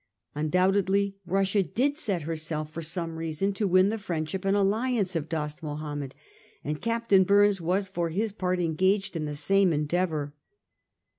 Undoubtedly Russia did set herself for some reason to win the friendship and alliance of Dost Mahomed ; and Cap tain Bumes was for his part engaged in the same endeavour.